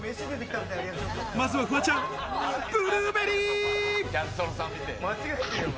まずはフワちゃん、ブルーベリー！